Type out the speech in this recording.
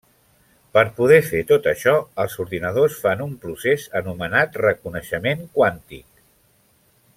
Per poder fer tot això, els ordinadors fan un procés anomenat Reconeixement quàntic.